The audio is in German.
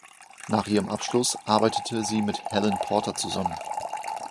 Nach ihrem Abschluss arbeitete sie mit Helen Porter zusammen.